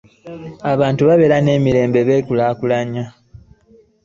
Abantu bwe babeera n'emirembe beekulakulanya.